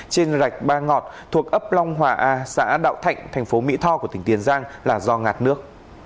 trên rạch ba ngọt thuộc ấp long hòa a xã đạo thạnh thành phố mỹ tho của tỉnh tiền giang là do ngạt nước